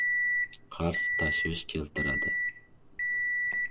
• Qarz tashvish keltiradi.